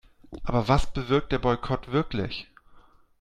Aber was bewirkt der Boykott wirklich?